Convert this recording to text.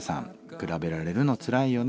「比べられるのつらいよね」。